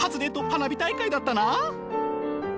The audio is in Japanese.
花火大会だったなあ！